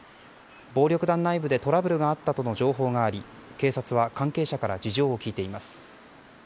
暴力団内部でトラブルがあったとの情報があり警察は関係者から事情を聴いています。